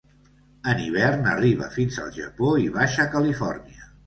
En hivern arriba fins al Japó i Baixa Califòrnia.